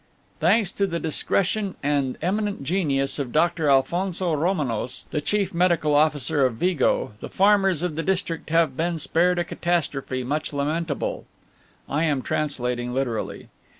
"'Thanks to the discretion and eminent genius of Dr. Alphonso Romanos, the Chief Medical Officer of Vigo, the farmers of the district have been spared a catastrophe much lamentable' (I am translating literally).